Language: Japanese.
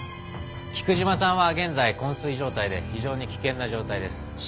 菊島さんは現在昏睡状態で非常に危険な状態です。